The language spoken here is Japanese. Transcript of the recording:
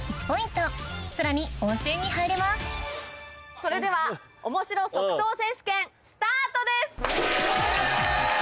それではおもしろ即答選手権スタートです！